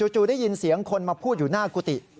จู่ได้ยินเสียงคนมาพูดอยู่หน้ากุฏิ